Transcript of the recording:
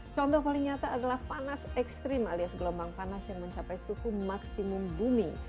contoh paling nyata adalah panas ekstrim alias gelombang panas yang mencapai suhu maksimum bumi